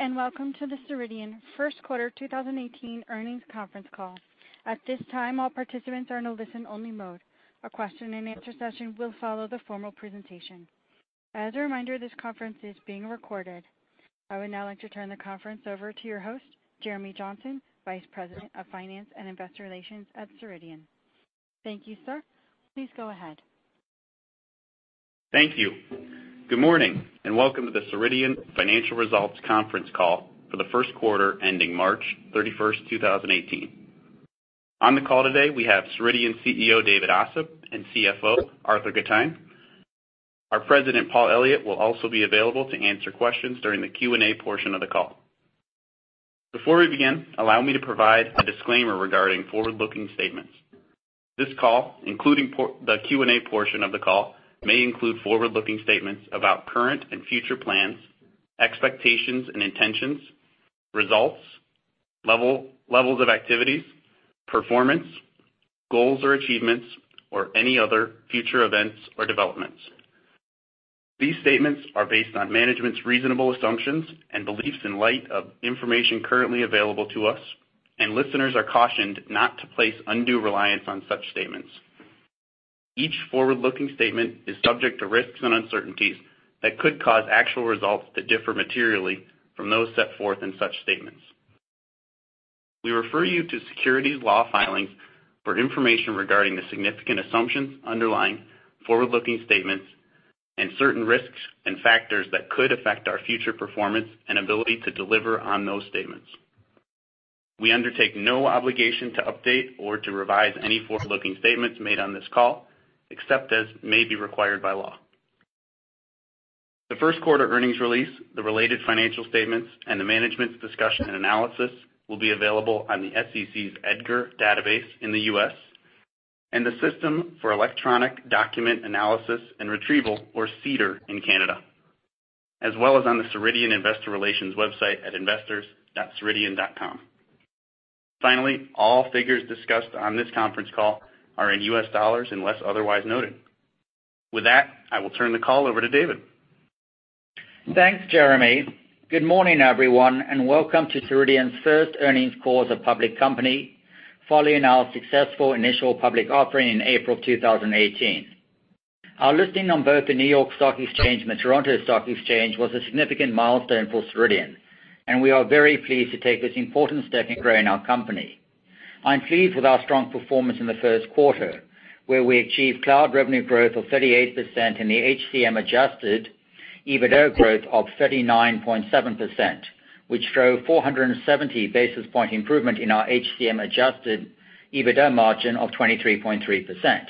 Greetings, and welcome to the Ceridian first quarter 2018 earnings conference call. At this time, all participants are in a listen-only mode. A question and answer session will follow the formal presentation. As a reminder, this conference is being recorded. I would now like to turn the conference over to your host, Jeremy Johnson, Vice President of Finance and Investor Relations at Ceridian. Thank you, sir. Please go ahead. Thank you. Good morning, and welcome to the Ceridian Financial Results Conference Call for the first quarter ending March 31st, 2018. On the call today, we have Ceridian CEO, David Ossip, and CFO, Arthur Gitin. Our President, Paul Elliott, will also be available to answer questions during the Q&A portion of the call. Before we begin, allow me to provide a disclaimer regarding forward-looking statements. This call, including the Q&A portion of the call, may include forward-looking statements about current and future plans, expectations and intentions, results, levels of activities, performance, goals or achievements, or any other future events or developments. These statements are based on management's reasonable assumptions and beliefs in light of information currently available to us, and listeners are cautioned not to place undue reliance on such statements. Each forward-looking statement is subject to risks and uncertainties that could cause actual results to differ materially from those set forth in such statements. We refer you to securities law filings for information regarding the significant assumptions underlying forward-looking statements and certain risks and factors that could affect our future performance and ability to deliver on those statements. We undertake no obligation to update or to revise any forward-looking statements made on this call, except as may be required by law. The first quarter earnings release, the related financial statements, and the management's discussion and analysis will be available on the SEC's EDGAR database in the U.S. and the System for Electronic Document Analysis and Retrieval, or SEDAR in Canada, as well as on the Ceridian investor relations website at investors.ceridian.com. Finally, all figures discussed on this conference call are in U.S. dollars unless otherwise noted. With that, I will turn the call over to David. Thanks, Jeremy. Good morning, everyone, and welcome to Ceridian's first earnings call as a public company following our successful initial public offering in April 2018. Our listing on both the New York Stock Exchange and the Toronto Stock Exchange was a significant milestone for Ceridian, and we are very pleased to take this important step in growing our company. I'm pleased with our strong performance in the first quarter, where we achieved cloud revenue growth of 38% and the HCM adjusted EBITDA growth of 39.7%, which drove 470 basis point improvement in our HCM adjusted EBITDA margin of 23.3%.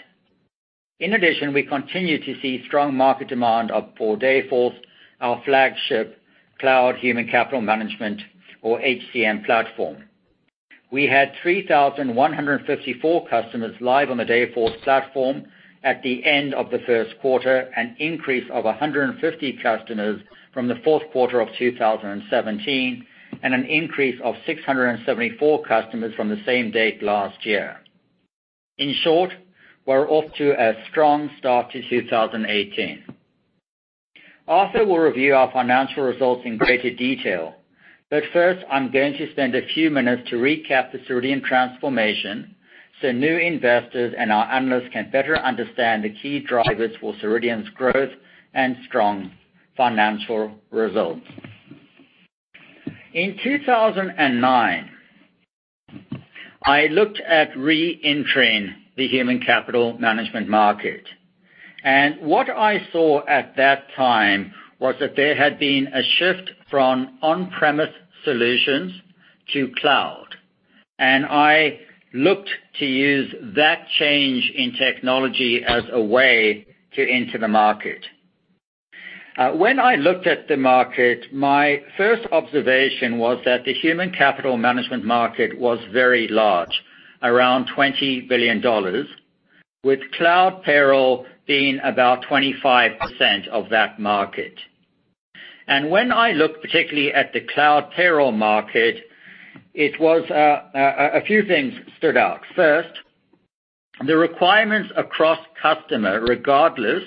In addition, we continue to see strong market demand for Dayforce, our flagship cloud human capital management or HCM platform. We had 3,154 customers live on the Dayforce platform at the end of the first quarter, an increase of 150 customers from the fourth quarter of 2017, and an increase of 674 customers from the same date last year. In short, we're off to a strong start to 2018. Arthur will review our financial results in greater detail, but first, I'm going to spend a few minutes to recap the Ceridian transformation so new investors and our analysts can better understand the key drivers for Ceridian's growth and strong financial results. In 2009, I looked at re-entering the human capital management market. What I saw at that time was that there had been a shift from on-premise solutions to cloud. I looked to use that change in technology as a way to enter the market. When I looked at the market, my first observation was that the human capital management market was very large, around $20 billion, with cloud payroll being about 25% of that market. When I looked particularly at the cloud payroll market, a few things stood out. First, the requirements across customer, regardless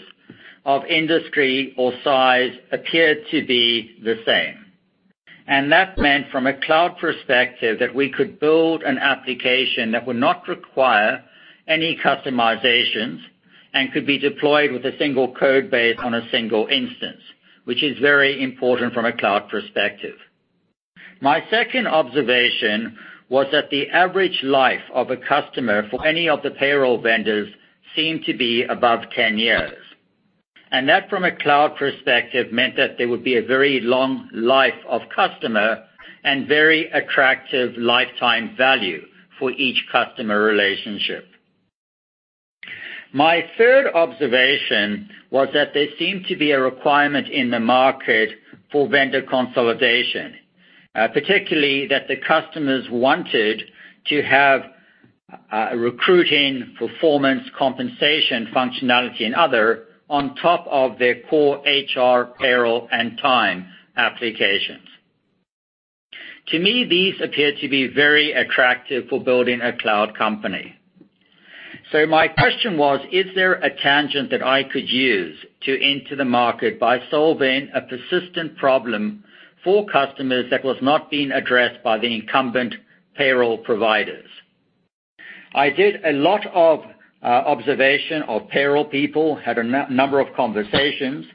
of industry or size, appeared to be the same. That meant, from a cloud perspective, that we could build an application that would not require any customizations and could be deployed with a single code base on a single instance, which is very important from a cloud perspective. My second observation was that the average life of a customer for any of the payroll vendors seemed to be above 10 years. That, from a cloud perspective, meant that there would be a very long life of customer and very attractive lifetime value for each customer relationship. My third observation was that there seemed to be a requirement in the market for vendor consolidation, particularly that the customers wanted to have recruiting, performance, compensation, functionality, and other on top of their core HR, payroll, and time applications. To me, these appeared to be very attractive for building a cloud company. My question was, is there a tangent that I could use to enter the market by solving a persistent problem for customers that was not being addressed by the incumbent payroll providers? I did a lot of observation of payroll people, had a number of conversations,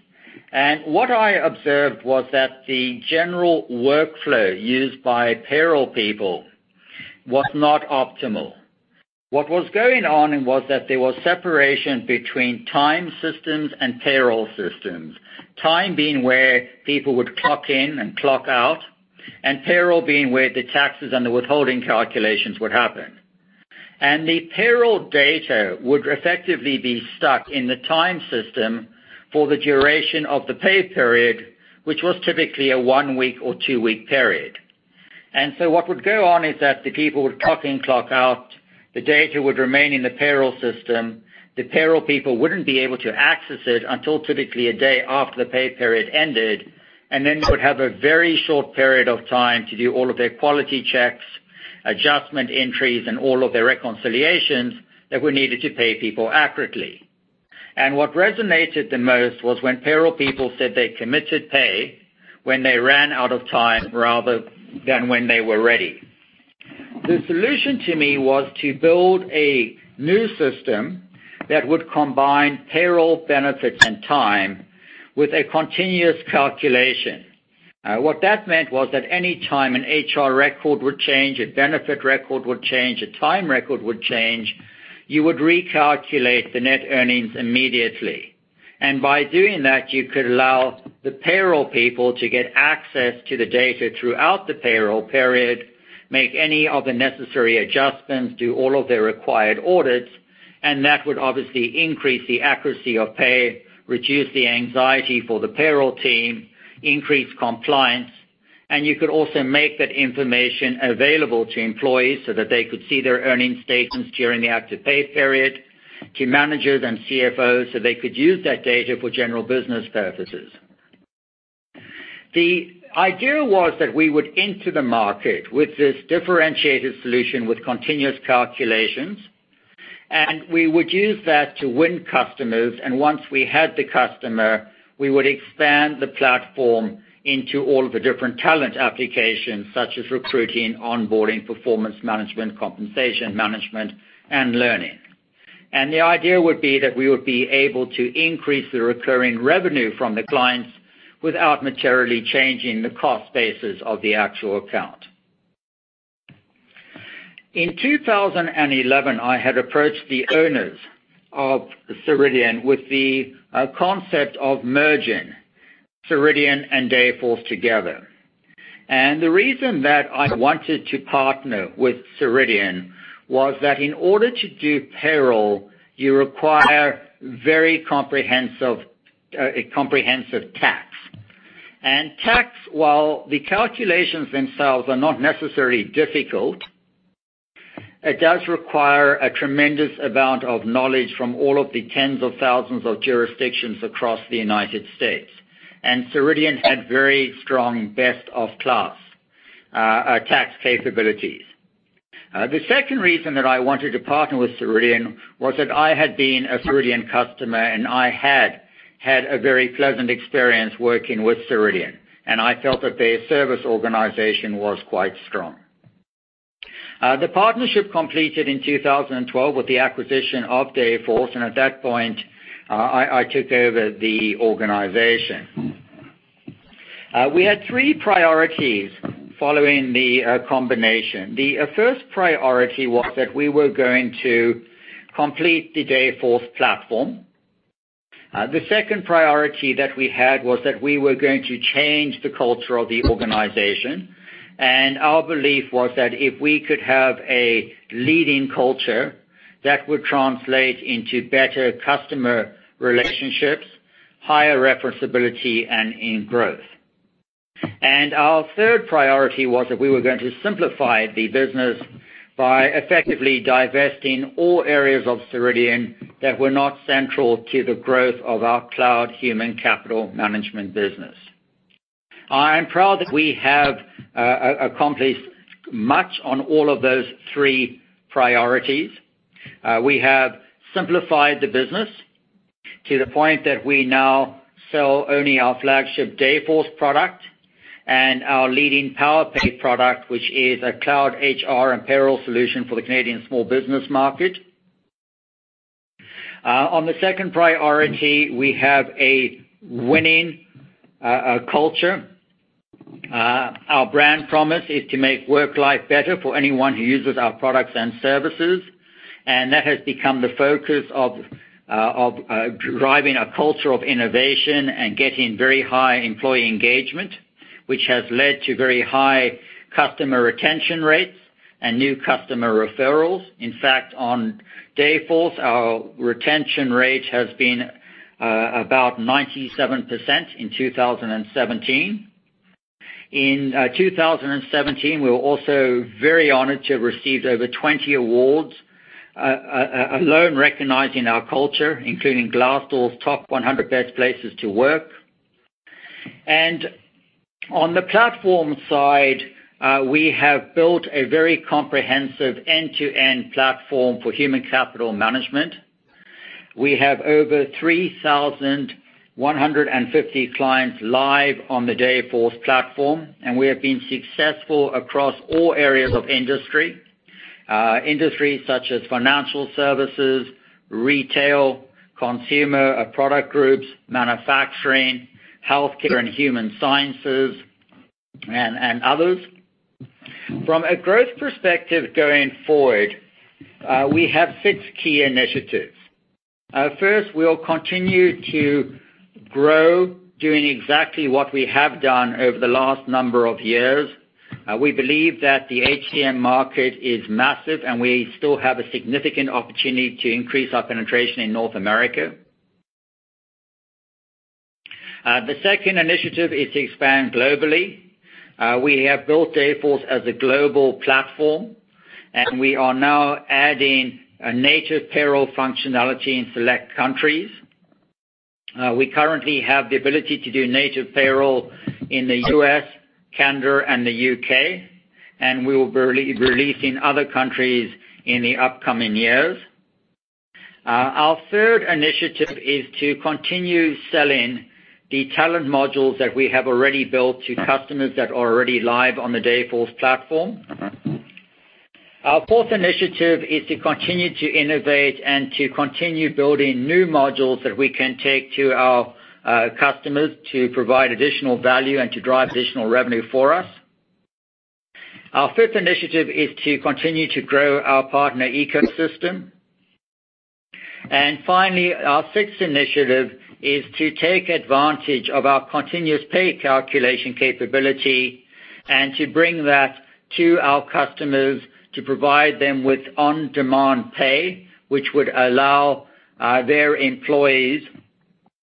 what I observed was that the general workflow used by payroll people was not optimal. What was going on was that there was separation between time systems and payroll systems. Time being where people would clock in and clock out, payroll being where the taxes and the withholding calculations would happen. The payroll data would effectively be stuck in the time system for the duration of the pay period, which was typically a one-week or two-week period. What would go on is that the people would clock in, clock out, the data would remain in the payroll system. The payroll people wouldn't be able to access it until typically a day after the pay period ended, then they would have a very short period of time to do all of their quality checks, adjustment entries, and all of their reconciliations that were needed to pay people accurately. What resonated the most was when payroll people said they committed pay when they ran out of time rather than when they were ready. The solution to me was to build a new system that would combine payroll benefits and time with a continuous calculation. What that meant was that any time an HR record would change, a benefit record would change, a time record would change, you would recalculate the net earnings immediately. By doing that, you could allow the payroll people to get access to the data throughout the payroll period, make any of the necessary adjustments, do all of their required audits, that would obviously increase the accuracy of pay, reduce the anxiety for the payroll team, increase compliance. You could also make that information available to employees so that they could see their earning statements during the active pay period, to managers and CFOs, so they could use that data for general business purposes. The idea was that we would enter the market with this differentiated solution with continuous calculations, we would use that to win customers. Once we had the customer, we would expand the platform into all of the different talent applications such as recruiting, onboarding, performance management, compensation management, and learning. The idea would be that we would be able to increase the recurring revenue from the clients without materially changing the cost basis of the actual account. In 2011, I had approached the owners of Ceridian with the concept of merging Ceridian and Dayforce together. The reason that I wanted to partner with Ceridian was that in order to do payroll, you require very comprehensive tax. Tax, while the calculations themselves are not necessarily difficult, it does require a tremendous amount of knowledge from all of the tens of thousands of jurisdictions across the United States. Ceridian had very strong, best of class tax capabilities. The second reason that I wanted to partner with Ceridian was that I had been a Ceridian customer, and I had had a very pleasant experience working with Ceridian, and I felt that their service organization was quite strong. The partnership completed in 2012 with the acquisition of Dayforce, at that point, I took over the organization. We had three priorities following the combination. The first priority was that we were going to complete the Dayforce platform. The second priority that we had was that we were going to change the culture of the organization. Our belief was that if we could have a leading culture, that would translate into better customer relationships, higher referenceability, and in growth. Our third priority was that we were going to simplify the business by effectively divesting all areas of Ceridian that were not central to the growth of our cloud human capital management business. I am proud that we have accomplished much on all of those three priorities. We have simplified the business to the point that we now sell only our flagship Dayforce product and our leading Powerpay product, which is a cloud HR and payroll solution for the Canadian small business market. On the second priority, we have a winning culture. Our brand promise is to make work life better for anyone who uses our products and services. That has become the focus of driving a culture of innovation and getting very high employee engagement, which has led to very high customer retention rates and new customer referrals. In fact, on Dayforce, our retention rate has been about 97% in 2017. In 2017, we were also very honored to have received over 20 awards alone recognizing our culture, including Glassdoor's Top 100 Best Places to Work. On the platform side, we have built a very comprehensive end-to-end platform for human capital management. We have over 3,150 clients live on the Dayforce platform, and we have been successful across all areas of industry. Industries such as financial services, retail, consumer product groups, manufacturing, healthcare and human sciences, and others. From a growth perspective going forward, we have six key initiatives. First, we'll continue to grow, doing exactly what we have done over the last number of years. We believe that the HCM market is massive, and we still have a significant opportunity to increase our penetration in North America. The second initiative is to expand globally. We have built Dayforce as a global platform, and we are now adding a native payroll functionality in select countries. We currently have the ability to do native payroll in the U.S., Canada, and the U.K., and we will be releasing other countries in the upcoming years. Our third initiative is to continue selling the talent modules that we have already built to customers that are already live on the Dayforce platform. Our fourth initiative is to continue to innovate and to continue building new modules that we can take to our customers to provide additional value and to drive additional revenue for us. Our fifth initiative is to continue to grow our partner ecosystem. Finally, our sixth initiative is to take advantage of our continuous pay calculation capability and to bring that to our customers to provide them with on-demand pay, which would allow their employees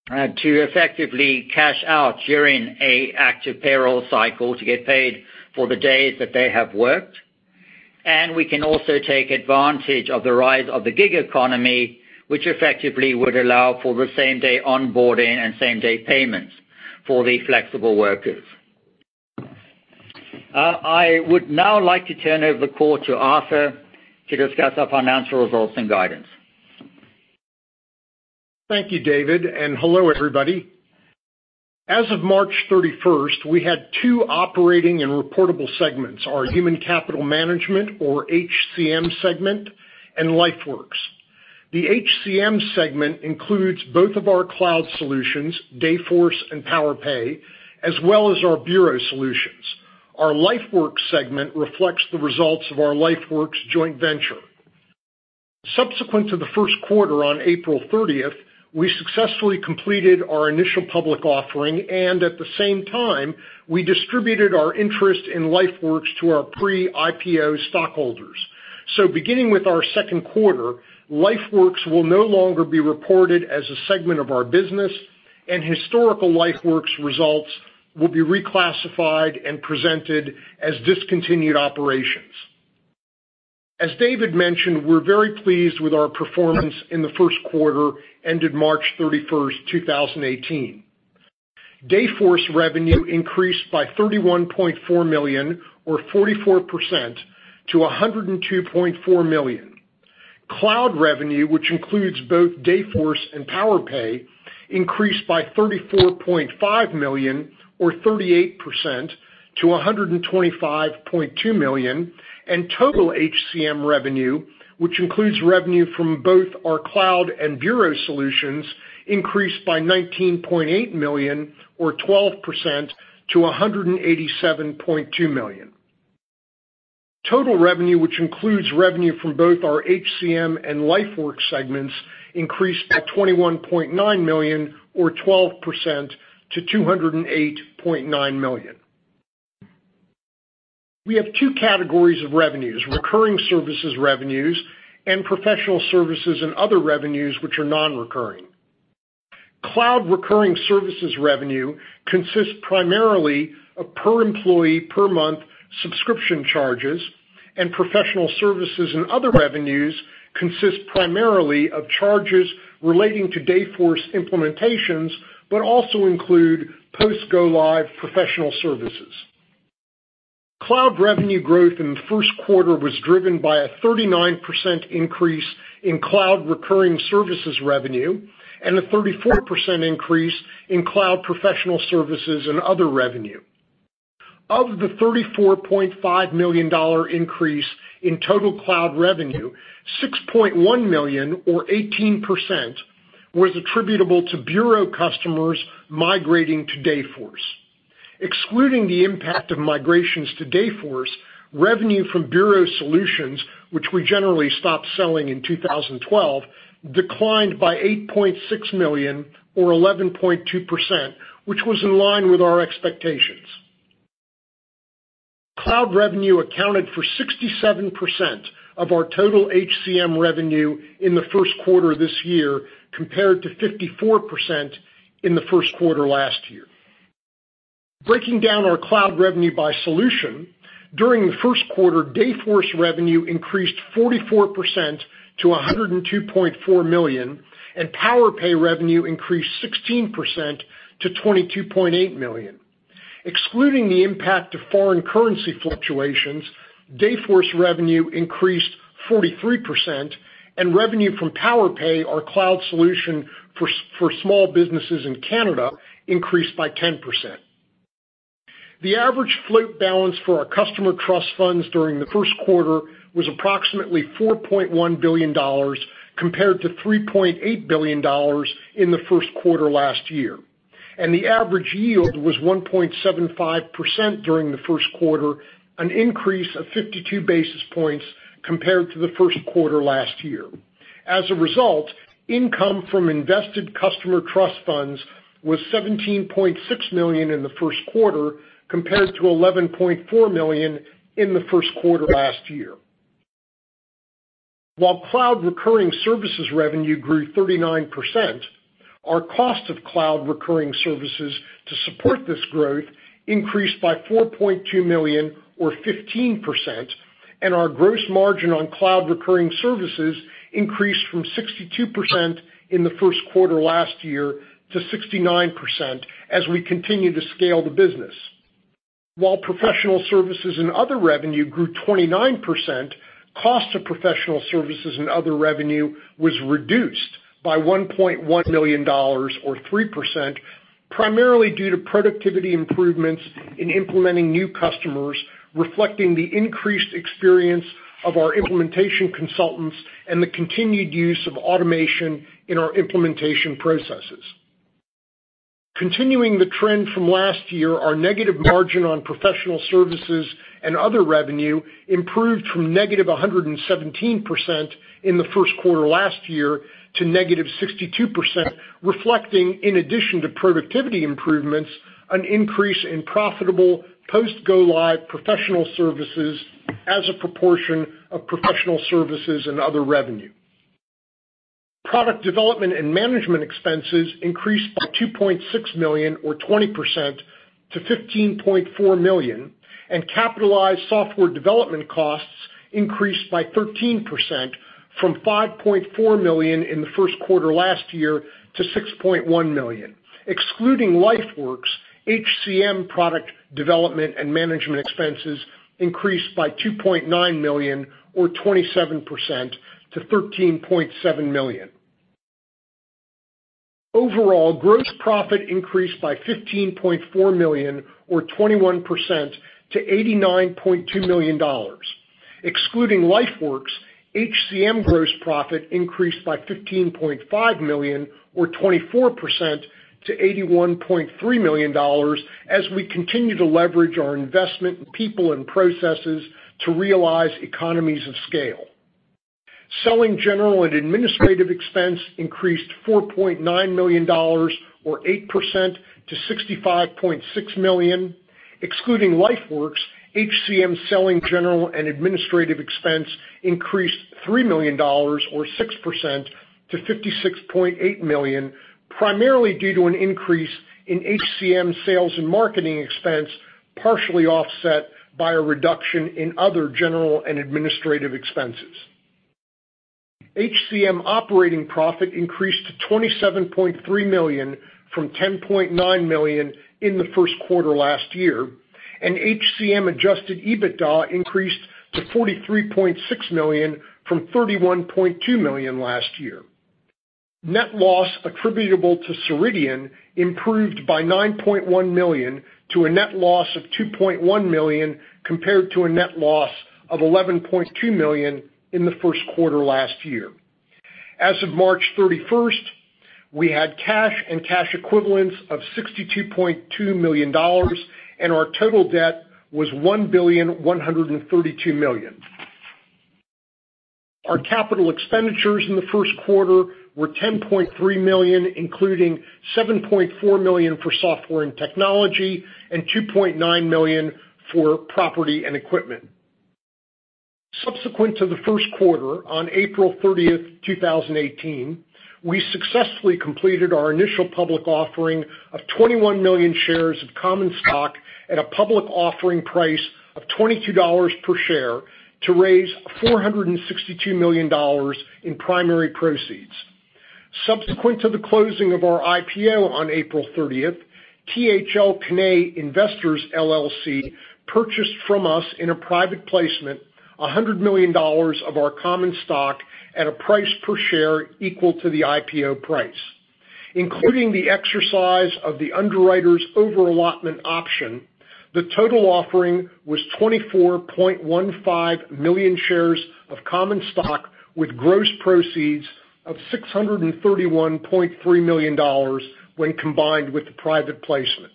to effectively cash out during an active payroll cycle to get paid for the days that they have worked. We can also take advantage of the rise of the gig economy, which effectively would allow for the same-day onboarding and same-day payments for the flexible workers. I would now like to turn over the call to Arthur to discuss our financial results and guidance. Thank you, David, and hello, everybody. As of March 31st, we had two operating and reportable segments, our Human Capital Management or HCM segment and LifeWorks. The HCM segment includes both of our cloud solutions, Dayforce and Powerpay, as well as our bureau solutions. Our LifeWorks segment reflects the results of our LifeWorks joint venture. Subsequent to the first quarter on April 30th, we successfully completed our initial public offering, and at the same time, we distributed our interest in LifeWorks to our pre-IPO stockholders. Beginning with our second quarter, LifeWorks will no longer be reported as a segment of our business, and historical LifeWorks results will be reclassified and presented as discontinued operations. As David mentioned, we are very pleased with our performance in the first quarter ended March 31st, 2018. Dayforce revenue increased by $31.4 million or 44% to $102.4 million. Cloud revenue, which includes both Dayforce and Powerpay, increased by $34.5 million or 38% to $125.2 million, and total HCM revenue, which includes revenue from both our cloud and bureau solutions, increased by $19.8 million or 12% to $187.2 million. Total revenue, which includes revenue from both our HCM and LifeWorks segments, increased by $21.9 million or 12% to $208.9 million. We have two categories of revenues, recurring services revenues and professional services and other revenues, which are non-recurring. Cloud recurring services revenue consists primarily of per employee per month subscription charges, and professional services and other revenues consist primarily of charges relating to Dayforce implementations, but also include post go-live professional services. Cloud revenue growth in the first quarter was driven by a 39% increase in cloud recurring services revenue and a 34% increase in cloud professional services and other revenue. Of the $34.5 million increase in total cloud revenue, $6.1 million or 18% was attributable to bureau customers migrating to Dayforce. Excluding the impact of migrations to Dayforce, revenue from bureau solutions, which we generally stopped selling in 2012, declined by $8.6 million or 11.2%, which was in line with our expectations. Cloud revenue accounted for 67% of our total HCM revenue in the first quarter this year, compared to 54% in the first quarter last year. Breaking down our cloud revenue by solution, during the first quarter, Dayforce revenue increased 44% to $102.4 million, and Powerpay revenue increased 16% to $22.8 million. Excluding the impact of foreign currency fluctuations, Dayforce revenue increased 43%, and revenue from Powerpay, our cloud solution for small businesses in Canada, increased by 10%. The average float balance for our customer trust funds during the first quarter was approximately $4.1 billion, compared to $3.8 billion in the first quarter last year. The average yield was 1.75% during the first quarter, an increase of 52 basis points compared to the first quarter last year. As a result, income from invested customer trust funds was $17.6 million in the first quarter, compared to $11.4 million in the first quarter last year. While cloud recurring services revenue grew 39%, our cost of cloud recurring services to support this growth increased by $4.2 million, or 15%, and our gross margin on cloud recurring services increased from 62% in the first quarter last year to 69% as we continue to scale the business. While professional services and other revenue grew 29%, cost of professional services and other revenue was reduced by $1.1 million, or 3%, primarily due to productivity improvements in implementing new customers, reflecting the increased experience of our implementation consultants and the continued use of automation in our implementation processes. Continuing the trend from last year, our negative margin on professional services and other revenue improved from negative 117% in the first quarter last year to negative 62%, reflecting, in addition to productivity improvements, an increase in profitable post go live professional services as a proportion of professional services and other revenue. Product development and management expenses increased by $2.6 million or 20% to $15.4 million, and capitalized software development costs increased by 13% from $5.4 million in the first quarter last year to $6.1 million. Excluding LifeWorks, HCM product development and management expenses increased by $2.9 million or 27% to $13.7 million. Overall, gross profit increased by $15.4 million or 21% to $89.2 million. Excluding LifeWorks, HCM gross profit increased by $15.5 million or 24% to $81.3 million as we continue to leverage our investment in people and processes to realize economies of scale. Selling general and administrative expense increased $4.9 million or 8% to $65.6 million. Excluding LifeWorks, HCM selling general and administrative expense increased $3 million or 6% to $56.8 million, primarily due to an increase in HCM sales and marketing expense, partially offset by a reduction in other general and administrative expenses. HCM operating profit increased to $27.3 million from $10.9 million in the first quarter last year, and HCM adjusted EBITDA increased to $43.6 million from $31.2 million last year. Net loss attributable to Ceridian improved by $9.1 million to a net loss of $2.1 million, compared to a net loss of $11.2 million in the first quarter last year. As of March 31st, we had cash and cash equivalents of $62.2 million, and our total debt was $1,132,000,000. Our capital expenditures in the first quarter were $10.3 million, including $7.4 million for software and technology and $2.9 million for property and equipment. Subsequent to the first quarter, on April 30th, 2018, we successfully completed our initial public offering of 21 million shares of common stock at a public offering price of $22 per share to raise $462 million in primary proceeds. Subsequent to the closing of our IPO on April 30th, THL Cannae Investors LLC purchased from us in a private placement $100 million of our common stock at a price per share equal to the IPO price. Including the exercise of the underwriter's over-allotment option, the total offering was 24.15 million shares of common stock, with gross proceeds of $631.3 million when combined with the private placement.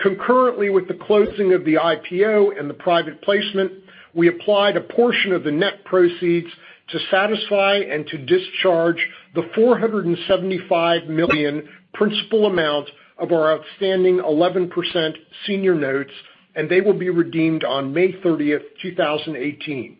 Concurrently with the closing of the IPO and the private placement, we applied a portion of the net proceeds to satisfy and to discharge the $475 million principal amount of our outstanding 11% senior notes, and they will be redeemed on May 30th, 2018.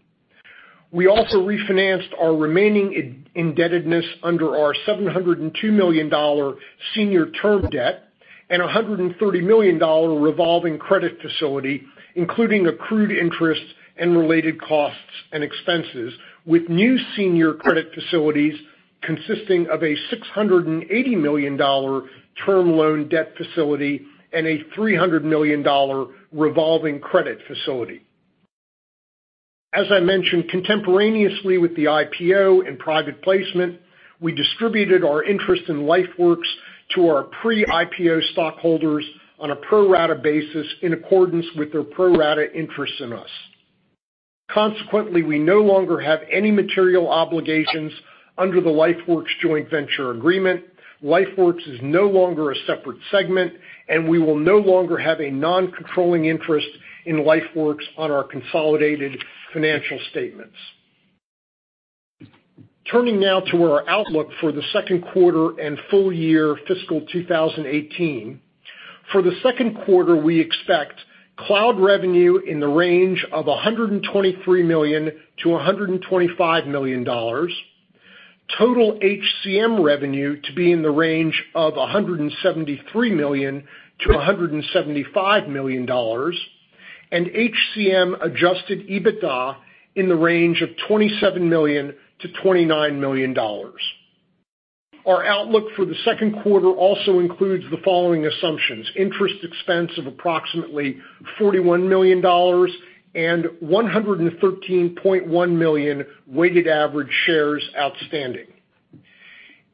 We also refinanced our remaining indebtedness under our $702 million senior term debt and $130 million revolving credit facility, including accrued interest and related costs and expenses with new senior credit facilities consisting of a $680 million term loan debt facility and a $300 million revolving credit facility. As I mentioned, contemporaneously with the IPO and private placement, we distributed our interest in LifeWorks to our pre-IPO stockholders on a pro rata basis in accordance with their pro rata interest in us. Consequently, we no longer have any material obligations under the LifeWorks joint venture agreement. LifeWorks is no longer a separate segment, and we will no longer have a non-controlling interest in LifeWorks on our consolidated financial statements. Turning now to our outlook for the second quarter and full year fiscal 2018. For the second quarter, we expect cloud revenue in the range of $123 million to $125 million, total HCM revenue to be in the range of $173 million to $175 million, and HCM adjusted EBITDA in the range of $27 million to $29 million. Our outlook for the second quarter also includes the following assumptions: interest expense of approximately $41 million and 113.1 million weighted average shares outstanding.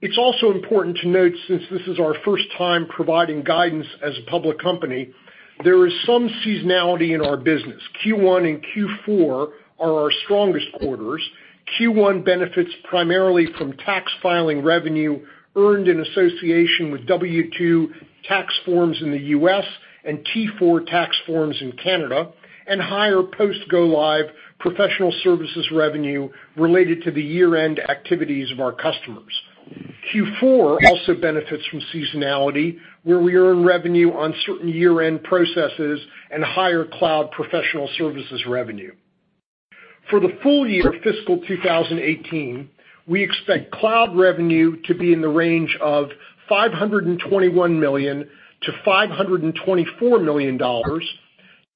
It's also important to note, since this is our first time providing guidance as a public company, there is some seasonality in our business. Q1 and Q4 are our strongest quarters. Q1 benefits primarily from tax filing revenue earned in association with W-2 tax forms in the U.S. and T-4 tax forms in Canada, and higher post go-live professional services revenue related to the year-end activities of our customers. Q4 also benefits from seasonality, where we earn revenue on certain year-end processes and higher cloud professional services revenue. For the full year fiscal 2018, we expect cloud revenue to be in the range of $521 million to $524 million,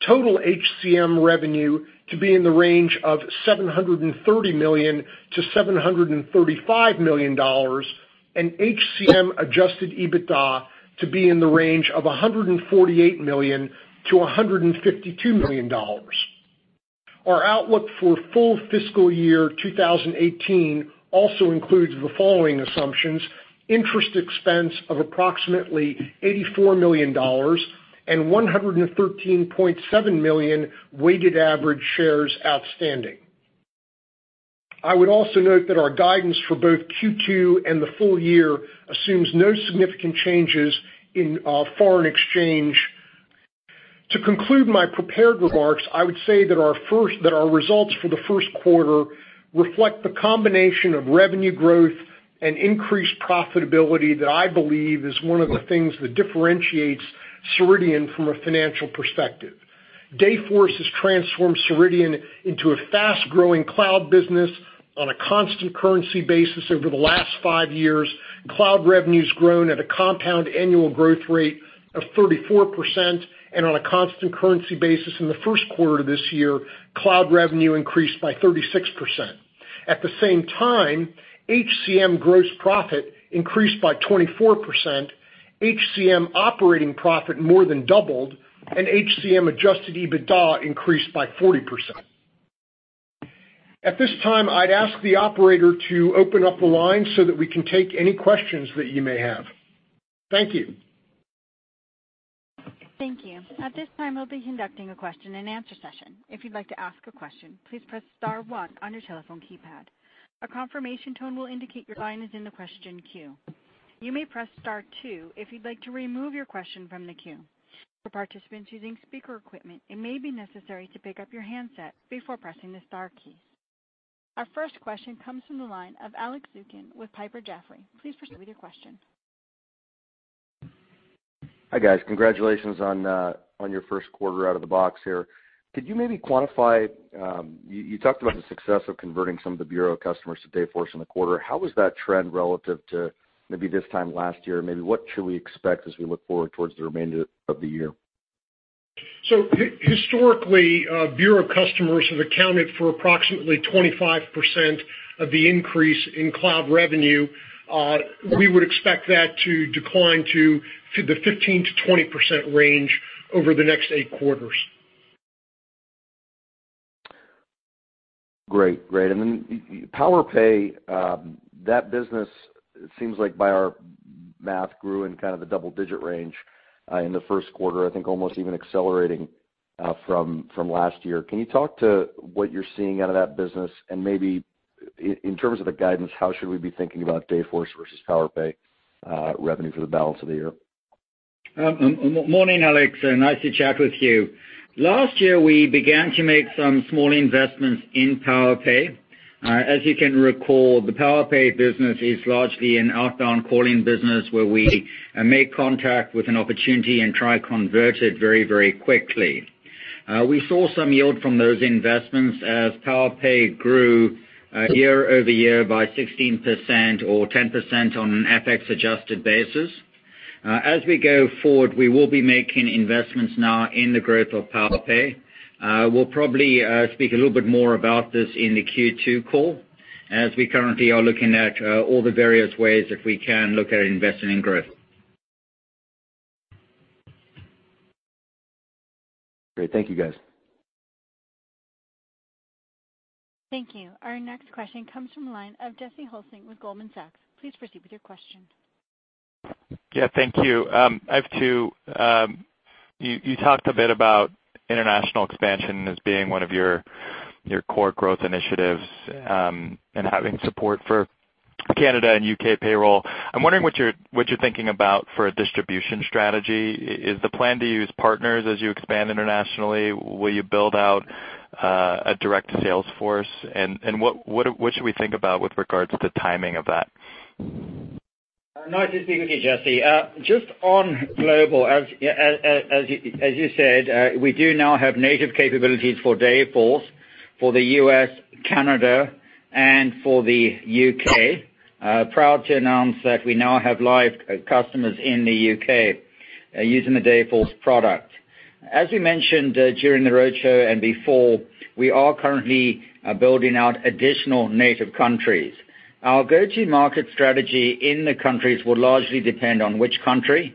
total HCM revenue to be in the range of $730 million to $735 million, and HCM adjusted EBITDA to be in the range of $148 million to $152 million. Our outlook for full fiscal year 2018 also includes the following assumptions: interest expense of approximately $84 million and 113.7 million weighted average shares outstanding. I would also note that our guidance for both Q2 and the full year assumes no significant changes in foreign exchange. To conclude my prepared remarks, I would say that our results for the first quarter reflect the combination of revenue growth and increased profitability that I believe is one of the things that differentiates Ceridian from a financial perspective. Dayforce has transformed Ceridian into a fast-growing cloud business on a constant currency basis over the last five years. Cloud revenue's grown at a compound annual growth rate of 34%, and on a constant currency basis in the first quarter this year, cloud revenue increased by 36%. At the same time, HCM gross profit increased by 24%, HCM operating profit more than doubled, and HCM adjusted EBITDA increased by 40%. At this time, I'd ask the operator to open up the line so that we can take any questions that you may have. Thank you. Thank you. At this time, we'll be conducting a question-and-answer session. If you'd like to ask a question, please press star one on your telephone keypad. A confirmation tone will indicate your line is in the question queue. You may press star two if you'd like to remove your question from the queue. For participants using speaker equipment, it may be necessary to pick up your handset before pressing the star key. Our first question comes from the line of Alex Zukin with Piper Jaffray. Please proceed with your question. Hi, guys. Congratulations on your first quarter out of the box here. Could you maybe quantify? You talked about the success of converting some of the bureau customers to Dayforce in the quarter. How was that trend relative to maybe this time last year? Maybe what should we expect as we look forward towards the remainder of the year? Historically, bureau customers have accounted for approximately 25% of the increase in cloud revenue. We would expect that to decline to the 15%-20% range over the next eight quarters. Great. Then Powerpay, that business, it seems like by our math, grew in kind of the double-digit range in the first quarter, I think almost even accelerating from last year. Can you talk to what you're seeing out of that business, and maybe in terms of the guidance, how should we be thinking about Dayforce versus Powerpay revenue for the balance of the year? Morning, Alex. Nice to chat with you. Last year, we began to make some small investments in Powerpay. As you can recall, the Powerpay business is largely an outbound calling business where we make contact with an opportunity and try convert it very quickly. We saw some yield from those investments as Powerpay grew year-over-year by 16% or 10% on an FX adjusted basis. As we go forward, we will be making investments now in the growth of Powerpay. We'll probably speak a little bit more about this in the Q2 call as we currently are looking at all the various ways that we can look at investing in growth. Great. Thank you, guys. Thank you. Our next question comes from the line of Jesse Hulsing with Goldman Sachs. Please proceed with your question. Yeah, thank you. I have two. You talked a bit about international expansion as being one of your core growth initiatives, and having support for Canada and U.K. payroll. I'm wondering what you're thinking about for a distribution strategy. Is the plan to use partners as you expand internationally? Will you build out a direct sales force? What should we think about with regards to the timing of that? Nice to speak with you, Jesse. Just on global, as you said, we do now have native capabilities for Dayforce for the U.S., Canada, and for the U.K. Proud to announce that we now have live customers in the U.K. using the Dayforce product. As we mentioned during the roadshow and before, we are currently building out additional native countries. Our go-to-market strategy in the countries will largely depend on which country.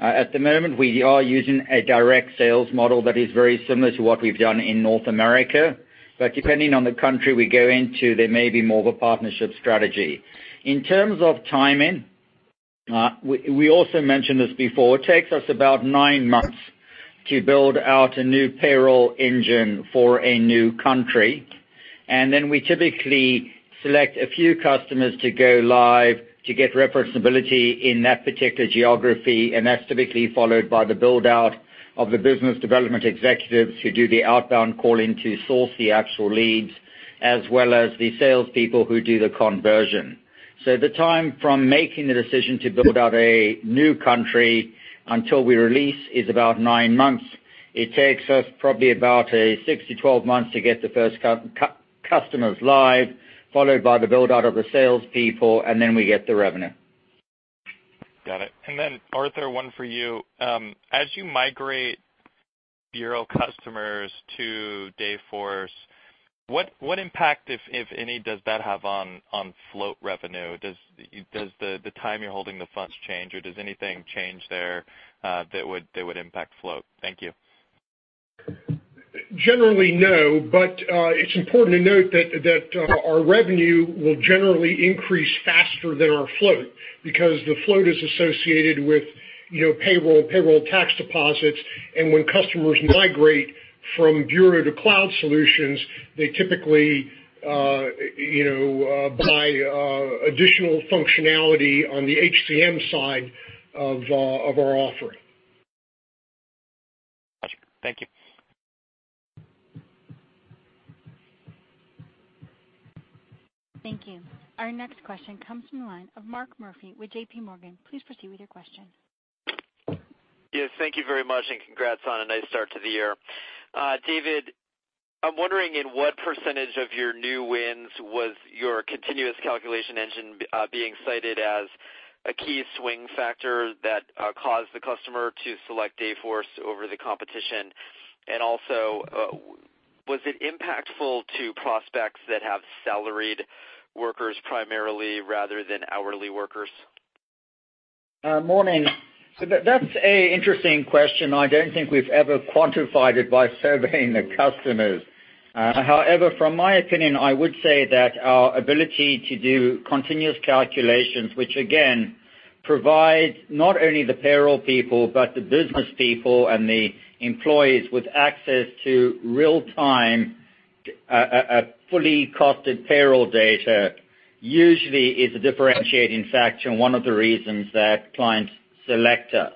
At the moment, we are using a direct sales model that is very similar to what we've done in North America. Depending on the country we go into, there may be more of a partnership strategy. In terms of timing, we also mentioned this before, it takes us about nine months to build out a new payroll engine for a new country. We typically select a few customers to go live to get referenceability in that particular geography, and that's typically followed by the build-out of the Business Development Executives who do the outbound calling to source the actual leads, as well as the salespeople who do the conversion. The time from making the decision to build out a new country until we release is about nine months. It takes us probably about six to 12 months to get the first customers live, followed by the build-out of the salespeople, and then we get the revenue. Got it. Arthur, one for you. As you migrate bureau customers to Dayforce, what impact, if any, does that have on float revenue? Does the time you're holding the funds change, or does anything change there that would impact float? Thank you. Generally, no, but it's important to note that our revenue will generally increase faster than our float because the float is associated with payroll tax deposits. When customers migrate from bureau to cloud solutions, they typically buy additional functionality on the HCM side of our offering. Got you. Thank you. Thank you. Our next question comes from the line of Mark Murphy with JPMorgan. Please proceed with your question. Yes, thank you very much. Congrats on a nice start to the year. David, I'm wondering in what percentage of your new wins was your continuous calculation engine being cited as a key swing factor that caused the customer to select Dayforce over the competition? Also, was it impactful to prospects that have salaried workers primarily rather than hourly workers? Morning. That's an interesting question. I don't think we've ever quantified it by surveying the customers. However, from my opinion, I would say that our ability to do continuous calculations, which again, provides not only the payroll people, but the business people and the employees with access to real time, fully costed payroll data usually is a differentiating factor, and one of the reasons that clients select us.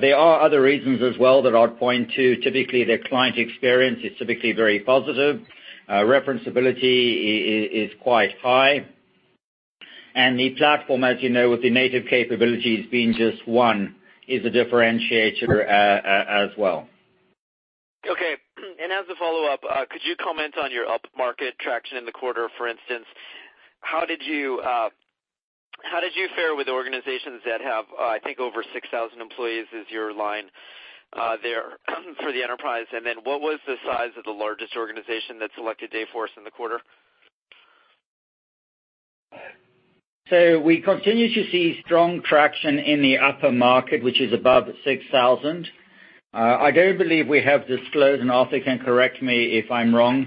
There are other reasons as well that I'd point to. Typically, their client experience is typically very positive. Referenceability is quite high. The platform, as you know, with the native capabilities being just one, is a differentiator as well. Okay. As a follow-up, could you comment on your upmarket traction in the quarter, for instance, how did you fare with organizations that have, I think over 6,000 employees is your line there for the enterprise? What was the size of the largest organization that selected Dayforce in the quarter? We continue to see strong traction in the upper market, which is above 6,000. I don't believe we have disclosed, Arthur can correct me if I'm wrong,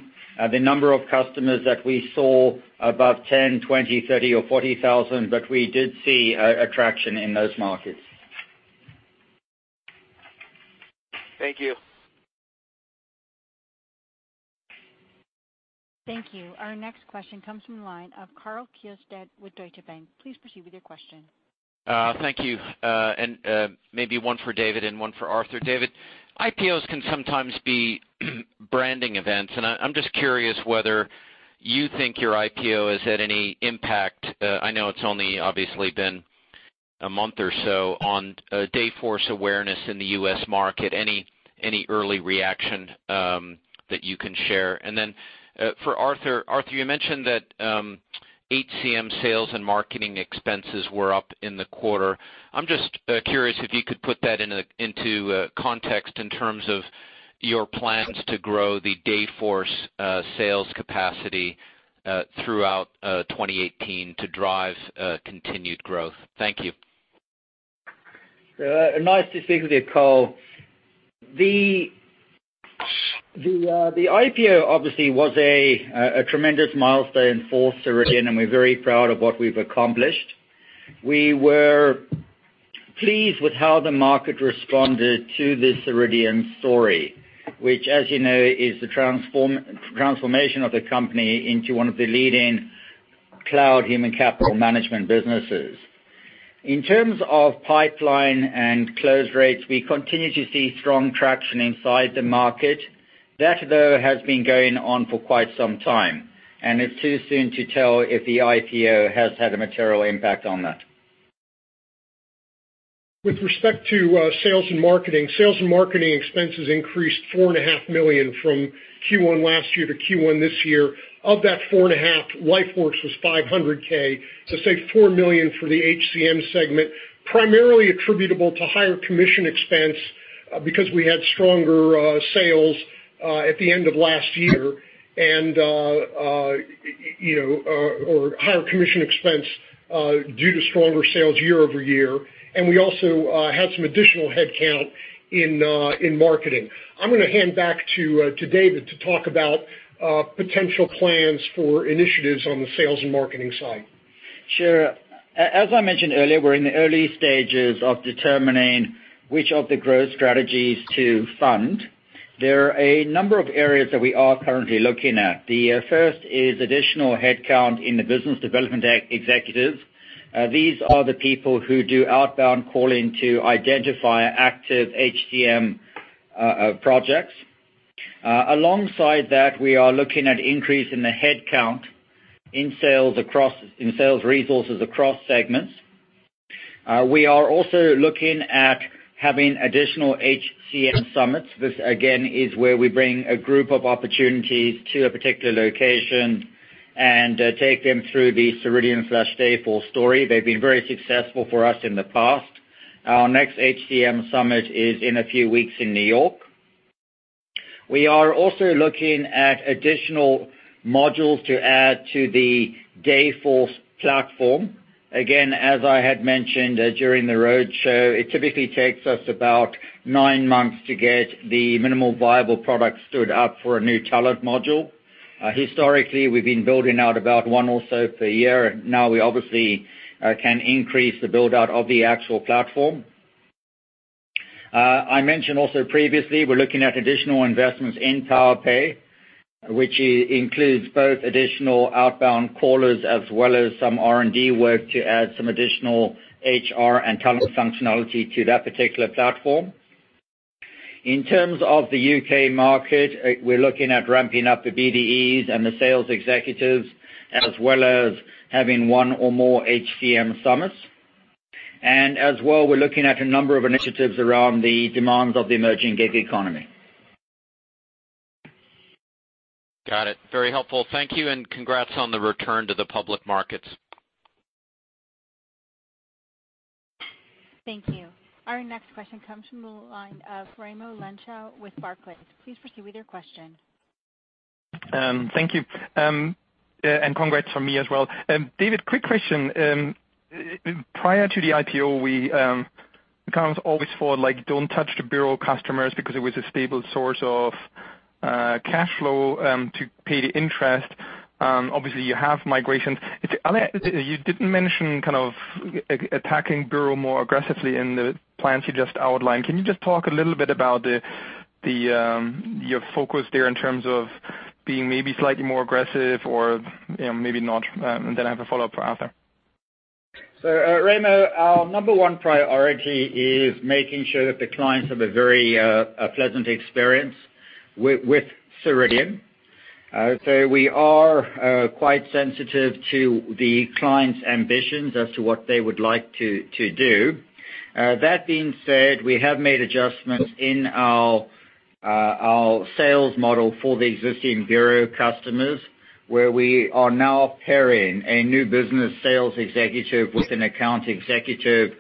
the number of customers that we saw above 10, 20, 30 or 40,000, we did see a traction in those markets. Thank you. Thank you. Our next question comes from the line of Karl Keirstead with Deutsche Bank. Please proceed with your question. Thank you. Maybe one for David and one for Arthur. David, IPOs can sometimes be branding events. I'm just curious whether you think your IPO has had any impact. I know it's only obviously been a month or so on Dayforce awareness in the U.S. market. Any early reaction that you can share? Then for Arthur. Arthur, you mentioned that HCM sales and marketing expenses were up in the quarter. I'm just curious if you could put that into context in terms of your plans to grow the Dayforce sales capacity throughout 2018 to drive continued growth. Thank you. Nice to speak with you, Karl. The IPO obviously was a tremendous milestone for Ceridian. We're very proud of what we've accomplished. We were pleased with how the market responded to the Ceridian story, which, as you know, is the transformation of the company into one of the leading cloud human capital management businesses. In terms of pipeline and close rates, we continue to see strong traction inside the market. That, though, has been going on for quite some time. It's too soon to tell if the IPO has had a material impact on that. With respect to sales and marketing, sales and marketing expenses increased $4.5 million from Q1 last year to Q1 this year. Of that $4.5, LifeWorks was $500K. Say $4 million for the HCM segment, primarily attributable to higher commission expense because we had stronger sales at the end of last year, or higher commission expense due to stronger sales year-over-year. We also had some additional headcount in marketing. I'm going to hand back to David to talk about potential plans for initiatives on the sales and marketing side. Sure. As I mentioned earlier, we're in the early stages of determining which of the growth strategies to fund. There are a number of areas that we are currently looking at. The first is additional headcount in the business development executives. These are the people who do outbound calling to identify active HCM projects. Alongside that, we are looking at increase in the headcount in sales resources across segments. We are also looking at having additional HCM summits. This, again, is where we bring a group of opportunities to a particular location and take them through the Ceridian/Dayforce story. They've been very successful for us in the past. Our next HCM summit is in a few weeks in New York. We are also looking at additional modules to add to the Dayforce platform. As I had mentioned during the roadshow, it typically takes us about nine months to get the minimal viable product stood up for a new talent module. Historically, we've been building out about one or so per year. Now we obviously can increase the build-out of the actual platform. I mentioned also previously, we're looking at additional investments in Powerpay, which includes both additional outbound callers as well as some R&D work to add some additional HR and talent functionality to that particular platform. In terms of the U.K. market, we're looking at ramping up the BDEs and the sales executives, as well as having one or more HCM summits. As well, we're looking at a number of initiatives around the demands of the emerging gig economy. Got it. Very helpful. Thank you. Congrats on the return to the public markets. Thank you. Our next question comes from the line of Raimo Lenschow with Barclays. Please proceed with your question. Thank you. Congrats from me as well. David, quick question. Prior to the IPO, we account always for, like, don't touch the bureau customers because it was a stable source of cash flow to pay the interest. Obviously, you have migrations. You didn't mention attacking bureau more aggressively in the plans you just outlined. Can you just talk a little bit about your focus there in terms of being maybe slightly more aggressive or maybe not? Then I have a follow-up for Arthur. Raimo, our number one priority is making sure that the clients have a very pleasant experience with Ceridian. We are quite sensitive to the client's ambitions as to what they would like to do. That being said, we have made adjustments in our sales model for the existing bureau customers, where we are now pairing a new business sales executive with an account executive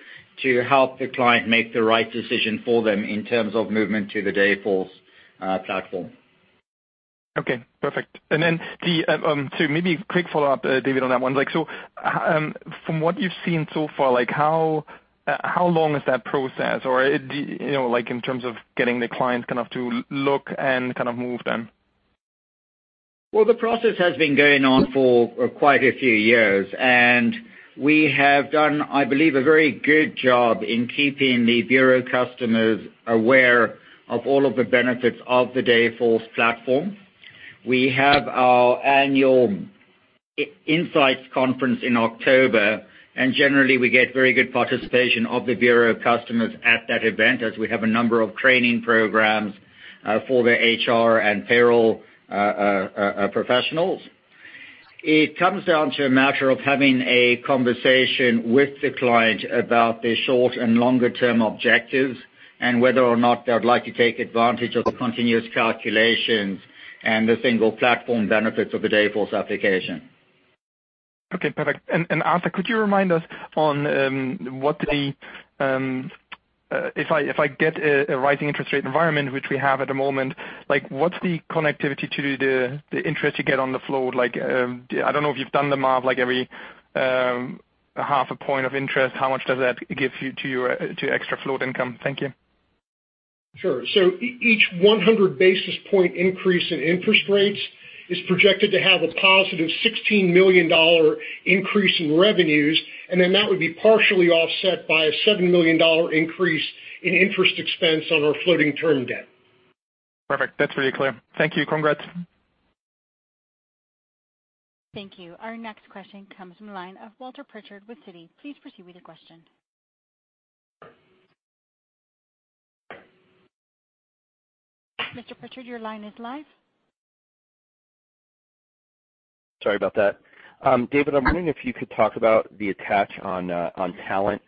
to help the client make the right decision for them in terms of movement to the Dayforce platform. Okay, perfect. Then maybe a quick follow-up, David, on that one. From what you've seen so far, how long is that process in terms of getting the client to look and move them? Well, the process has been going on for quite a few years, and we have done, I believe, a very good job in keeping the bureau customers aware of all of the benefits of the Dayforce platform. We have our annual insights conference in October, and generally we get very good participation of the bureau customers at that event as we have a number of training programs for their HR and payroll professionals. It comes down to a matter of having a conversation with the client about their short and longer-term objectives and whether or not they would like to take advantage of the continuous calculations and the single platform benefits of the Dayforce application. Okay, perfect. Arthur, could you remind us, if I get a rising interest rate environment, which we have at the moment, what's the connectivity to the interest you get on the float? I don't know if you've done the math, every half a point of interest, how much does that give to extra float income? Thank you. Sure. Each 100-basis-point increase in interest rates is projected to have a positive $16 million increase in revenues, that would be partially offset by a $7 million increase in interest expense on our floating term debt. Perfect. That's really clear. Thank you. Congrats. Thank you. Our next question comes from the line of Walter Pritchard with Citi. Please proceed with your question. Mr. Pritchard, your line is live. Sorry about that. David, I'm wondering if you could talk about the attach on talent,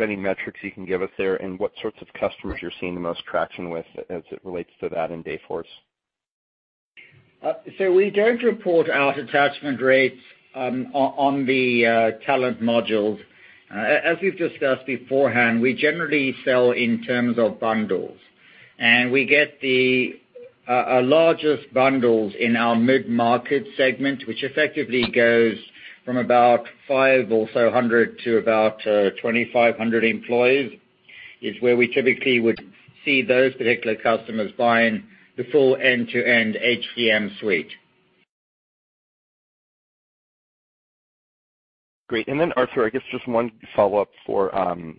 any metrics you can give us there and what sorts of customers you're seeing the most traction with as it relates to that in Dayforce. We don't report out attachment rates on the talent modules. As we've discussed beforehand, we generally sell in terms of bundles. We get the largest bundles in our mid-market segment, which effectively goes from about 500 to about 2,500 employees, is where we typically would see those particular customers buying the full end-to-end HCM suite. Great. Arthur, I guess just one follow-up from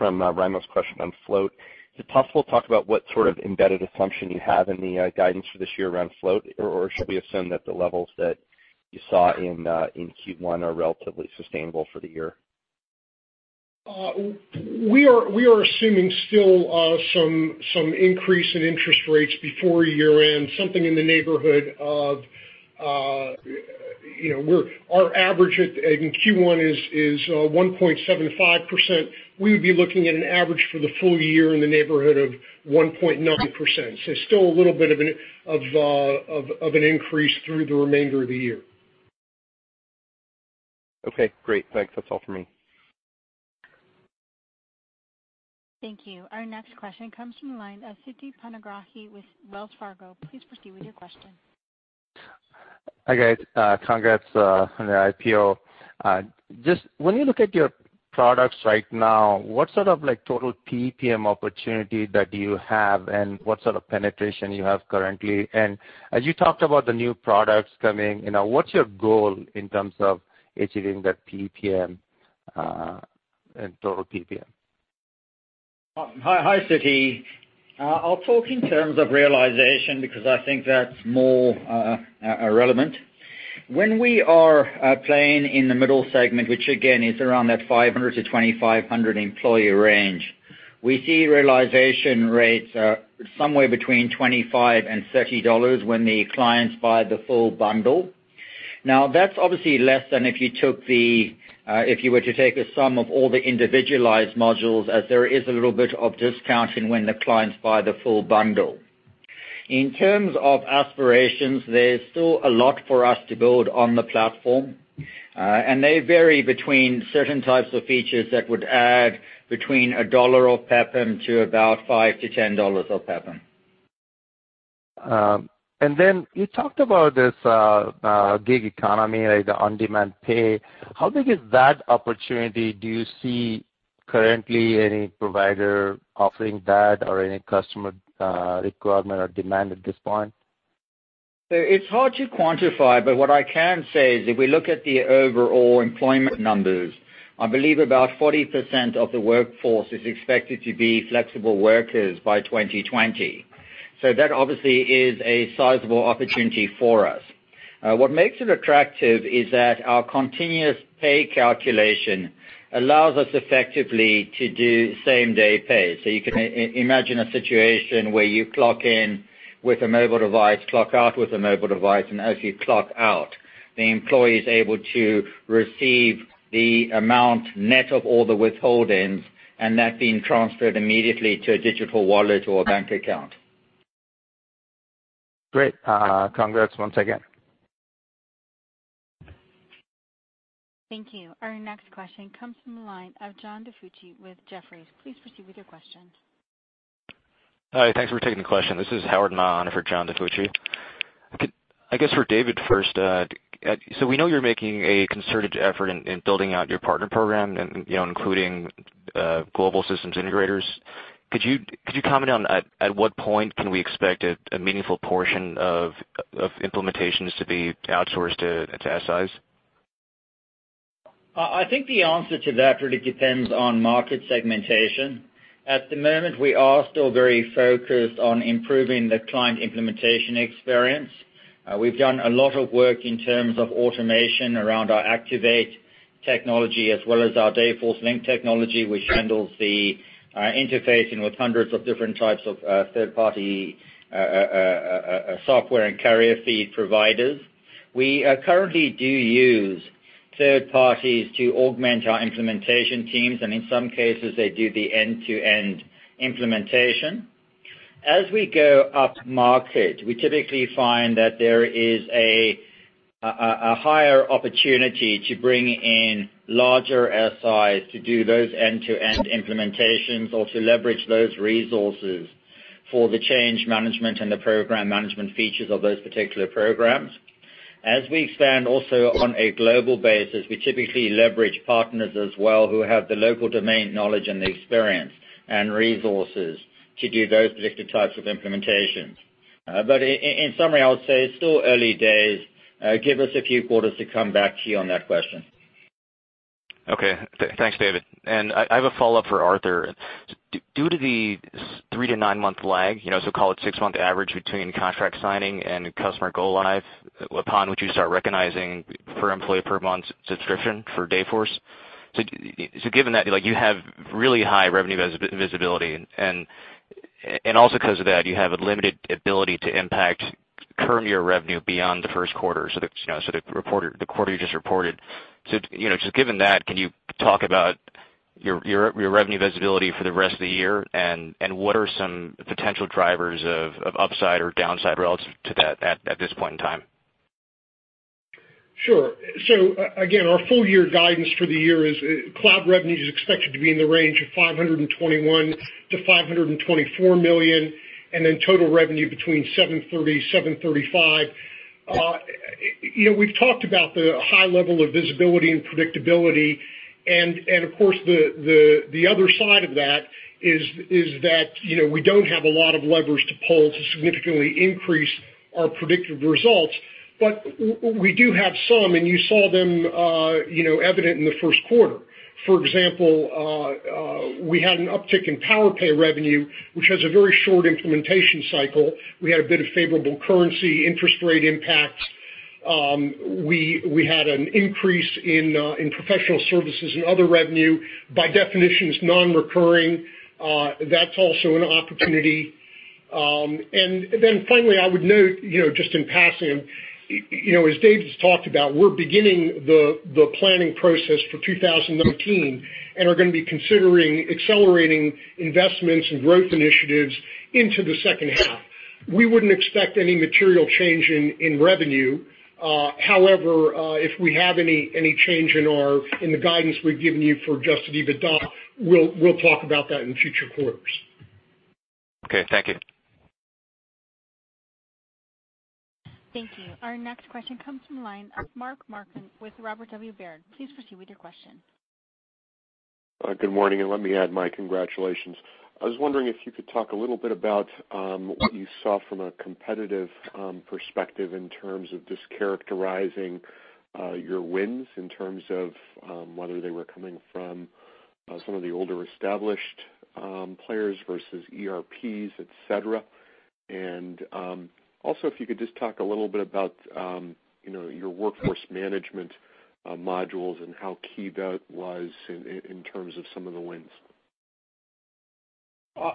Raimo's question on float. Is it possible to talk about what sort of embedded assumption you have in the guidance for this year around float? Or should we assume that the levels that you saw in Q1 are relatively sustainable for the year? We are assuming still some increase in interest rates before year-end, something in the neighborhood of Our average in Q1 is 1.75%. We would be looking at an average for the full year in the neighborhood of 1.9%. Still a little bit of an increase through the remainder of the year. Okay, great. Thanks. That's all for me. Thank you. Our next question comes from the line of Siti Panigrahi with Wells Fargo. Please proceed with your question. Hi, guys. Congrats on the IPO. When you look at your products right now, what sort of total PPM opportunity that you have, and what sort of penetration you have currently? As you talked about the new products coming, what's your goal in terms of achieving that total PPM? Hi, Siti. I'll talk in terms of realization because I think that's more relevant. When we are playing in the middle segment, which again is around that 500 to 2,500 employee range, we see realization rates are somewhere between $25 and $30 when the clients buy the full bundle. That's obviously less than if you were to take a sum of all the individualized modules, as there is a little bit of discounting when the clients buy the full bundle. In terms of aspirations, there's still a lot for us to build on the platform. They vary between certain types of features that would add between $1 of PPM to about $5 to $10 of PPM. You talked about this gig economy, like the on-demand pay. How big is that opportunity? Do you see currently any provider offering that or any customer requirement or demand at this point? It's hard to quantify, but what I can say is if we look at the overall employment numbers, I believe about 40% of the workforce is expected to be flexible workers by 2020. That obviously is a sizable opportunity for us. What makes it attractive is that our continuous pay calculation allows us effectively to do same-day pay. You can imagine a situation where you clock in with a mobile device, clock out with a mobile device, and as you clock out, the employee is able to receive the amount net of all the withholdings, and that being transferred immediately to a digital wallet or a bank account. Great. Congrats once again. Thank you. Our next question comes from the line of John DiFucci with Jefferies. Please proceed with your question. Hi. Thanks for taking the question. This is Howard Min on for John DiFucci. I guess for David first, we know you're making a concerted effort in building out your partner program, including global systems integrators. Could you comment on at what point can we expect a meaningful portion of implementations to be outsourced to SIs? I think the answer to that really depends on market segmentation. At the moment, we are still very focused on improving the client implementation experience. We've done a lot of work in terms of automation around our Activate technology as well as our Dayforce Link technology, which handles the interfacing with hundreds of different types of third-party software and carrier feed providers. We currently do use third parties to augment our implementation teams, and in some cases, they do the end-to-end implementation. As we go up market, we typically find that there is a higher opportunity to bring in larger SIs to do those end-to-end implementations or to leverage those resources for the change management and the program management features of those particular programs. As we expand also on a global basis, we typically leverage partners as well who have the local domain knowledge and the experience and resources to do those particular types of implementations. In summary, I would say it's still early days. Give us a few quarters to come back to you on that question. Thanks, David. I have a follow-up for Arthur. Due to the three to nine-month lag, so call it six-month average between contract signing and customer go live, upon which you start recognizing per employee per month subscription for Dayforce. Given that, you have really high revenue visibility. Also because of that, you have a limited ability to impact current year revenue beyond the first quarter, so the quarter you just reported. Just given that, can you talk about your revenue visibility for the rest of the year, and what are some potential drivers of upside or downside relative to that at this point in time? Sure. Again, our full year guidance for the year is cloud revenue is expected to be in the range of $521 million to $524 million, then total revenue between $730 million and $735 million. We've talked about the high level of visibility and predictability, and of course, the other side of that is that we don't have a lot of levers to pull to significantly increase our predictive results. We do have some, and you saw them evident in the first quarter. For example, we had an uptick in Powerpay revenue, which has a very short implementation cycle. We had a bit of favorable currency interest rate impacts. We had an increase in professional services and other revenue. By definition, it's non-recurring. That's also an opportunity. Finally, I would note, just in passing, as David's talked about, we're beginning the planning process for 2019 and are going to be considering accelerating investments and growth initiatives into the second half. We wouldn't expect any material change in revenue. However, if we have any change in the guidance we've given you for just EBITDA, we'll talk about that in future quarters. Okay. Thank you. Thank you. Our next question comes from the line of Mark Marcon with Robert W. Baird. Please proceed with your question. Good morning. Let me add my congratulations. I was wondering if you could talk a little bit about what you saw from a competitive perspective in terms of just characterizing your wins in terms of whether they were coming from some of the older established players versus ERPs, et cetera. Also, if you could just talk a little bit about your workforce management modules and how key that was in terms of some of the wins.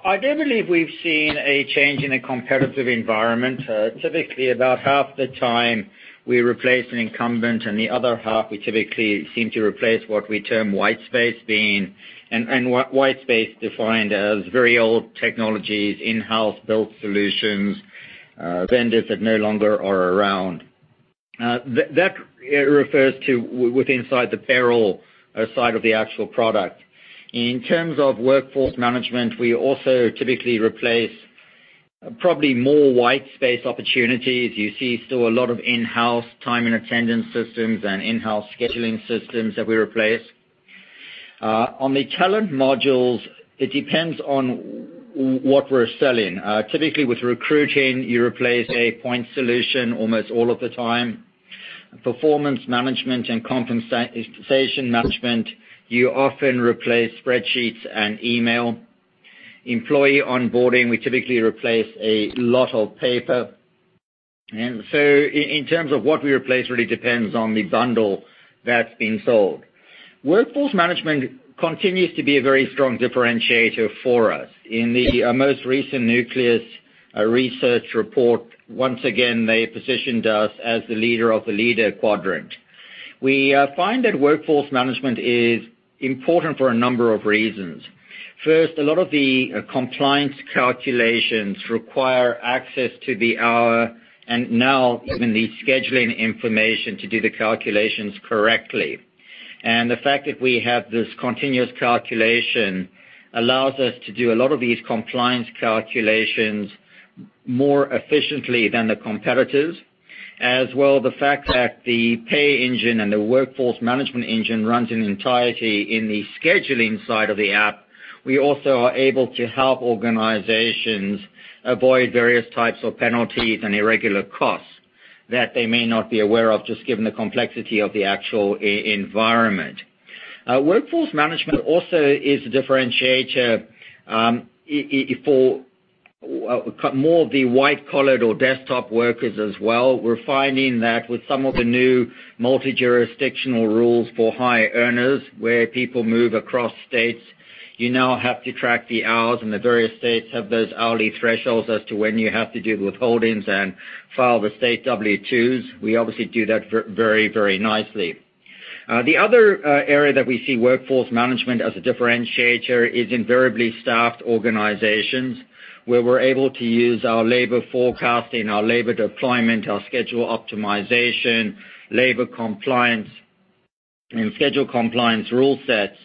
I don't believe we've seen a change in the competitive environment. Typically, about half the time we replace an incumbent, and the other half, we typically seem to replace what we term whitespace and what whitespace is defined as very old technologies, in-house built solutions, vendors that no longer are around. That refers to with inside the payroll side of the actual product. In terms of workforce management, we also typically replace probably more whitespace opportunities. You see still a lot of in-house time and attendance systems and in-house scheduling systems that we replace. On the talent modules, it depends on what we're selling. Typically, with recruiting, you replace a point solution almost all of the time. Performance management and compensation management, you often replace spreadsheets and email. Employee onboarding, we typically replace a lot of paper. In terms of what we replace, really depends on the bundle that's being sold. Workforce management continues to be a very strong differentiator for us. In the most recent Nucleus Research report, once again, they positioned us as the leader of the leader quadrant. We find that workforce management is important for a number of reasons. First, a lot of the compliance calculations require access to the hour and now even the scheduling information to do the calculations correctly. The fact that we have this continuous calculation allows us to do a lot of these compliance calculations more efficiently than the competitors. As well, the fact that the pay engine and the workforce management engine runs in entirety in the scheduling side of the app, we also are able to help organizations avoid various types of penalties and irregular costs that they may not be aware of just given the complexity of the actual environment. Workforce management also is a differentiator for more of the white-collared or desktop workers as well. We're finding that with some of the new multi-jurisdictional rules for high earners, where people move across states, you now have to track the hours, and the various states have those hourly thresholds as to when you have to do withholdings and file the state W-2s. We obviously do that very nicely. The other area that we see workforce management as a differentiator is invariably staffed organizations, where we're able to use our labor forecasting, our labor deployment, our schedule optimization, labor compliance, and schedule compliance rule sets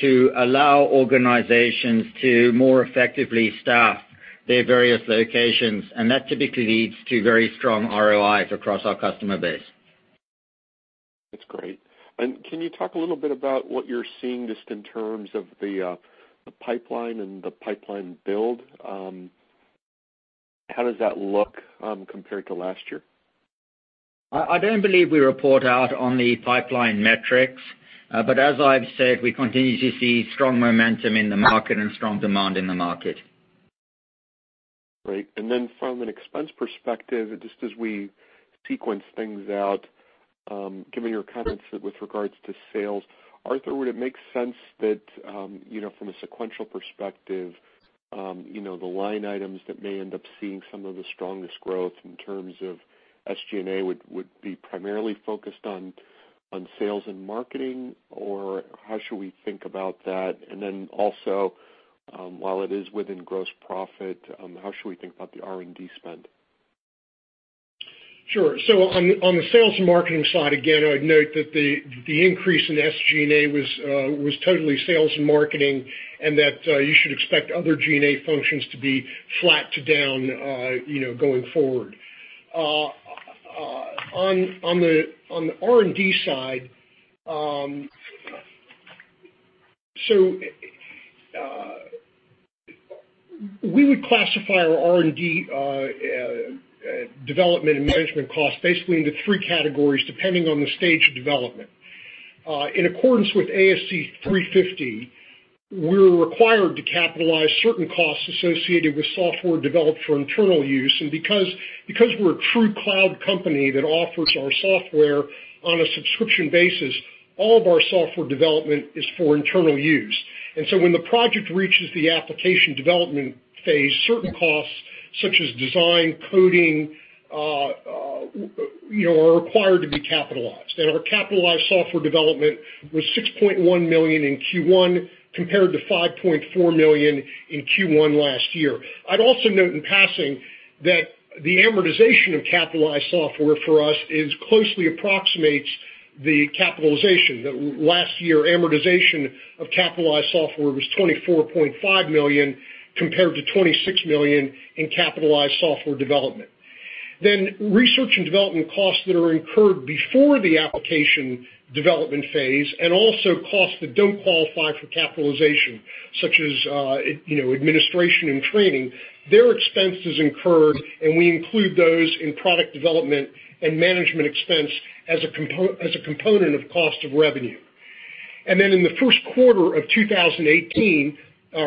to allow organizations to more effectively staff their various locations. That typically leads to very strong ROIs across our customer base. That's great. Can you talk a little bit about what you're seeing, just in terms of the pipeline and the pipeline build? How does that look compared to last year? I don't believe we report out on the pipeline metrics. As I've said, we continue to see strong momentum in the market and strong demand in the market. Great. From an expense perspective, just as we sequence things out, given your comments with regards to sales, Arthur, would it make sense that from a sequential perspective the line items that may end up seeing some of the strongest growth in terms of SG&A would be primarily focused on sales and marketing, or how should we think about that? Also, while it is within gross profit, how should we think about the R&D spend? Sure. On the sales and marketing side, again, I'd note that the increase in SG&A was totally sales and marketing, and that you should expect other G&A functions to be flat to down going forward. On the R&D side, we would classify our R&D development and management costs basically into three categories, depending on the stage of development. In accordance with ASC 350, we're required to capitalize certain costs associated with software developed for internal use. Because we're a true cloud company that offers our software on a subscription basis, all of our software development is for internal use. When the project reaches the application development phase, certain costs, such as design, coding, are required to be capitalized. Our capitalized software development was $6.1 million in Q1, compared to $5.4 million in Q1 last year. I'd also note in passing that the amortization of capitalized software for us closely approximates the capitalization. Last year, amortization of capitalized software was $24.5 million, compared to $26 million in capitalized software development. Research and development costs that are incurred before the application development phase, also costs that don't qualify for capitalization, such as administration and training, they're expenses incurred, we include those in product development and management expense as a component of cost of revenue. In the first quarter of 2018,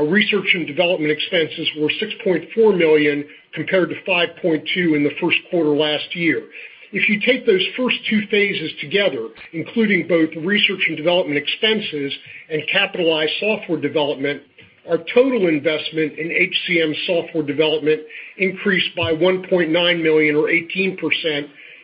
research and development expenses were $6.4 million, compared to $5.2 million in the first quarter last year. If you take those first 2 phases together, including both research and development expenses and capitalized software development, our total investment in HCM software development increased by $1.9 million or 18%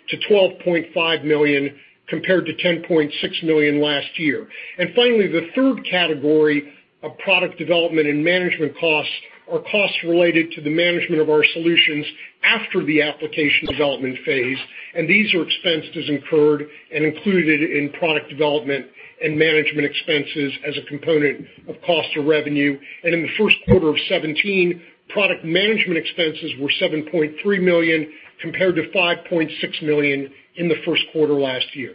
to $12.5 million, compared to $10.6 million last year. Finally, the 3rd category of product development and management costs are costs related to the management of our solutions after the application development phase, these are expenses incurred and included in product development and management expenses as a component of cost of revenue. In the first quarter of 2017, product management expenses were $7.3 million, compared to $5.6 million in the first quarter last year.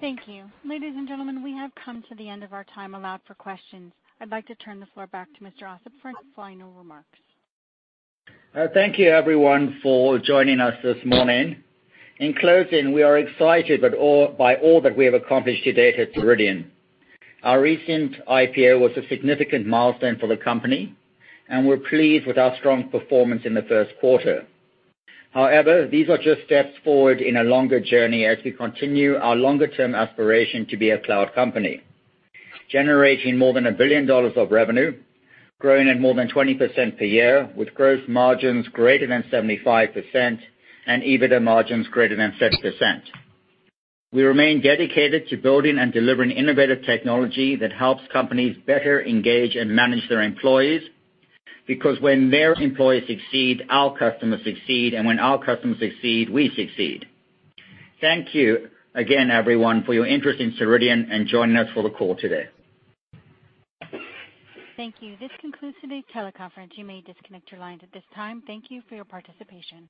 Thank you. Ladies and gentlemen, we have come to the end of our time allowed for questions. I'd like to turn the floor back to Mr. Ossip for his final remarks. Thank you everyone for joining us this morning. In closing, we are excited by all that we have accomplished to date at Ceridian. Our recent IPO was a significant milestone for the company, we're pleased with our strong performance in the first quarter. These are just steps forward in a longer journey as we continue our longer-term aspiration to be a cloud company, generating more than $1 billion of revenue, growing at more than 20% per year, with gross margins greater than 75% and EBITDA margins greater than 30%. We remain dedicated to building and delivering innovative technology that helps companies better engage and manage their employees, because when their employees succeed, our customers succeed, when our customers succeed, we succeed. Thank you again, everyone, for your interest in Ceridian and joining us for the call today. Thank you. This concludes today's teleconference. You may disconnect your lines at this time. Thank you for your participation.